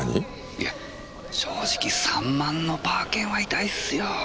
いや正直３万のパー券は痛いっすよ。